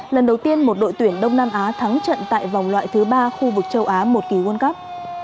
lần đầu tiên một đội tuyển đông nam á thắng trận tại vòng loại thứ ba khu vực châu á một kỳ world cup